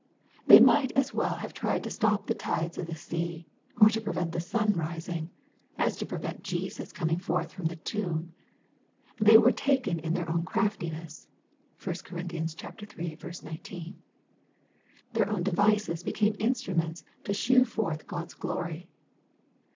They might as well have tried to stop the tides of the sea, or to prevent the sun rising, as to prevent Jesus coming forth from the tomb. They were taken in their own craftiness. (1 Cor. iii. 19.) Their own devices became instruments to shew forth God's glory.